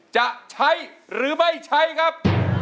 จะใช้หรือไม่ใช้ครับ